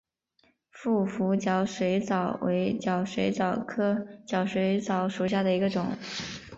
腹斧角水蚤为角水蚤科角水蚤属下的一个种。